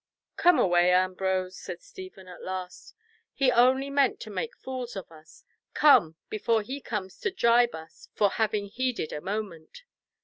"Come away, Ambrose," said Stephen at last. "He only meant to make fools of us! Come, before he comes to gibe us for having heeded a moment.